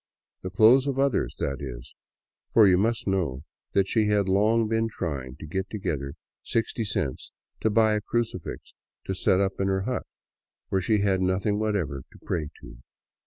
The clothes of others, that is, for you must know that she had long been trying to get together sixty cents to buy a crucifix to set up in her hut, where she had nothing whatever to pray to.